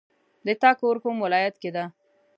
د تا کور کوم ولایت کې ده